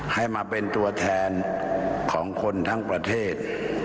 ให้มาเป็นตัวแทนของคนทั้งประเทศ